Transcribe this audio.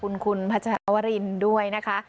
คุณคุณพัชรวรินด้วยนะคะ